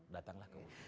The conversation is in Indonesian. datanglah ke ut